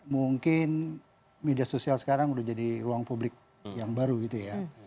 mungkin media sosial sekarang udah jadi ruang publik yang banyak